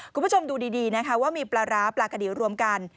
คุณผู้ชมดูดีนะคะว่ามีปลาร้าปลากะดีรวมกัน